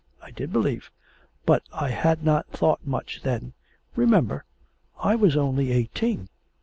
I did believe, but I had not thought much then. Remember, I was only eighteen.'